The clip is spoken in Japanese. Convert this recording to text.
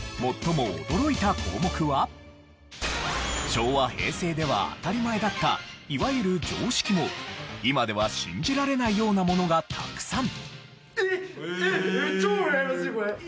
昭和・平成では当たり前だったいわゆる常識も今では信じられないようなものがたくさん。